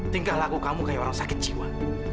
tingkah laku kamu kayak orang sakit jiwa